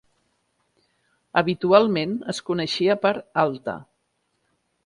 Habitualment es coneixia per Alta.